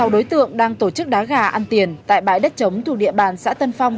một mươi sáu đối tượng đang tổ chức đá gà ăn tiền tại bãi đất chống thu địa bàn xã tân phong